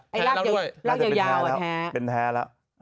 แท้แล้วด้วยน่าจะเป็นแท้แล้ว